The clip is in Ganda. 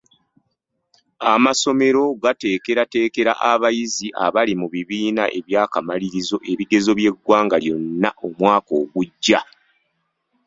Amasomero gateekerateekera abayizi abali mu bibiina eby'akamalirizo ebigezo by'eggwanga lyonna omwaka ogujja.